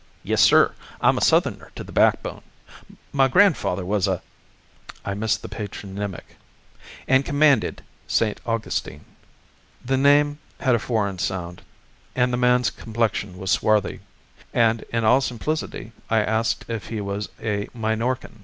Yes, sir, I'm a Southerner to the backbone. My grandfather was a " (I missed the patronymic), "and commanded St. Augustine." The name had a foreign sound, and the man's complexion was swarthy, and in all simplicity I asked if he was a Minorcan.